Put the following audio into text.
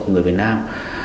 của người việt nam